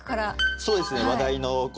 そうですね